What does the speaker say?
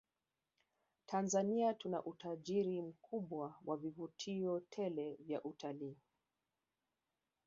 Tanzania tuna utajiri mkubwa wa vivutio tele vya utalii